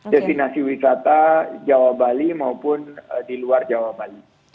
destinasi wisata jawa bali maupun di luar jawa bali